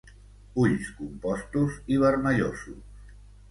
Ulls compostos i vermellosos.